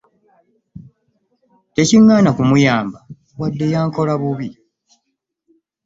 Tekiŋŋaana kumuyamba wadde yankola bubi.